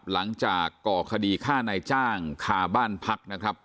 หลังจากก่อคดีฆ่าในจ้างขาบ้านภักษ์